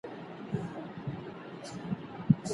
ولي هڅاند سړی د تکړه سړي په پرتله ډېر مخکي ځي؟